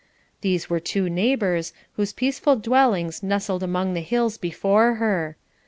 These two were neighbours, whose peaceful dwellings nestled among the hills before her.